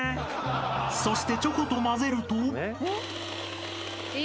［そしてチョコと混ぜると］